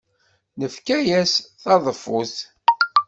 Nefka-as taḍeffut.